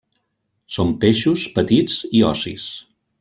Són peixos petits i ossis.